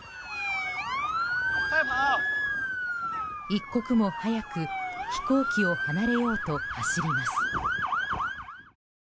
一刻も早く飛行機を離れようと走ります。